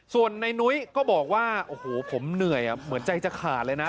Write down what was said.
ส่วนในนุ้ยก็บอกว่าโอ้โหผมเหนื่อยเหมือนใจจะขาดเลยนะ